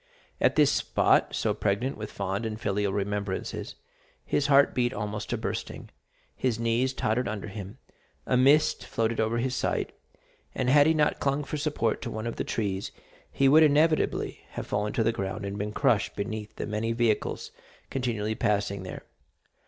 At this spot, so pregnant with fond and filial remembrances, his heart beat almost to bursting, his knees tottered under him, a mist floated over his sight, and had he not clung for support to one of the trees, he would inevitably have fallen to the ground and been crushed beneath the many vehicles continually passing there.